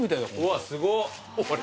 うわすご。